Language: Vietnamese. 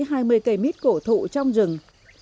hai mươi cây mít cổ thụ trong rừng